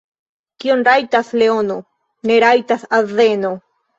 Kion rajtas leono, ne rajtas azeno.